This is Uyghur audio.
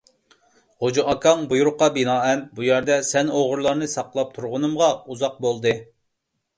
غوجا ئاكاڭ، بۇيرۇققا بىنائەن بۇ يەردە سەن ئوغرىلارنى ساقلاپ تۇرغىنىمغا ئۇزاق بولدى!